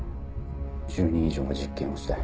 １０人以上は実験をした。